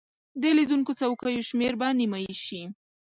د لیدونکو څوکیو شمیر به نیمایي شي.